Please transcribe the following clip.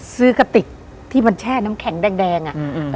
กระติกที่มันแช่น้ำแข็งแดงอะ